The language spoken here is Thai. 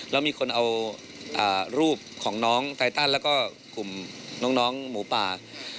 แล้วมีคนเอารูปของน้องไตตันแล้วก็กลุ่มน้องหมูป่า